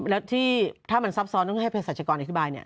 แล้วที่ถ้ามันซับซ้อนต้องให้เพศรัชกรอธิบายเนี่ย